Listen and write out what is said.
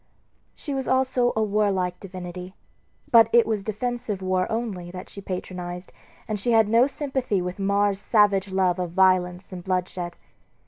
She was also a warlike divinity; but it was defensive war only that she patronized, and she had no sympathy with Mars's savage love of violence and bloodshed.